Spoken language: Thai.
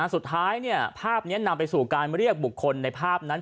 สุดท้ายภาพนี้นำไปสู่การเรียกบุคคลในภาพนั้น